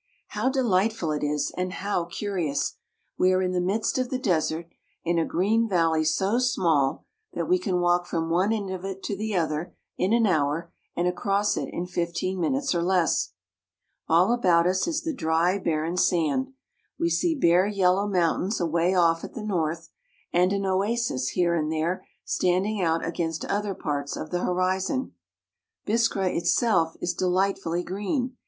How delightful it is and how curious ! We are in the midst of the desert, in a green valley so small that we can walk from one end of it to the other in an hour and across it in fifteen minutes or less. All about us is the dry, bar ren sand ; we see bare yellow mountains away off at the north, and an oasis, here and there, standing out against other parts of the horizon. Biskra itself is delightfully green.